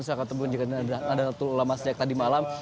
suara tembun juga dari nadal tulu lama sejak tadi malam